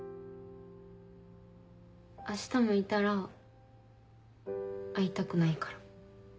明日もいたら会いたくないから。